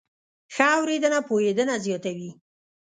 ښه اورېدنه پوهېدنه زیاتوي.